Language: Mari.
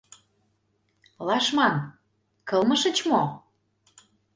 — Лашман, кылмышыч мо?